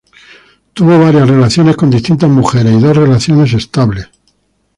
Tuvo varias relaciones con distintas mujeres y dos relaciones estables.